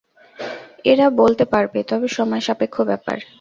এরা বলতে পারবে, তবে সময়সাপেক্ষ ব্যাপার।